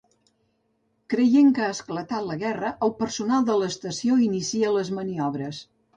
Creient que ha esclatat la guerra el personal de l'estació inicia les maniobres.